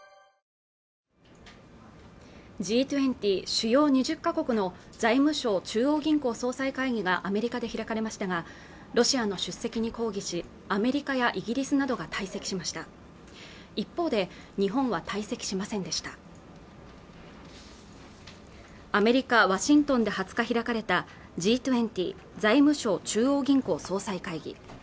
Ｇ２０＝主要２０か国の財務相・中央銀行総裁会議がアメリカで開かれましたがロシアの出席に抗議しアメリカやイギリスなどが退席しました一方で日本は退席しませんでしたアメリカ・ワシントンで２０日開かれたＧ２０＝財務相・中央銀行総裁会議